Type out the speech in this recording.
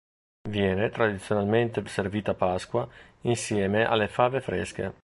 Viene tradizionalmente servita a Pasqua insieme alle fave fresche.